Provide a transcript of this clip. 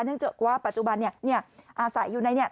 เนื่องจากว่าปัจจุบันอาศัยอยู่ในนี้